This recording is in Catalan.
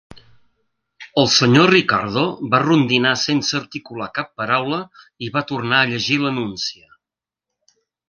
El senyor Ricardo va rondinar sense articular cap paraula i va tornar a llegir l'anuncia.